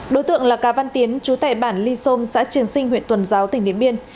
đối tượng là cá văn tiến chú tại bản ly xôn xã trường sinh huyện tuần giáo tỉnh điện biên